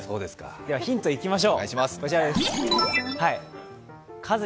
ではヒントいきましょう、こちらです。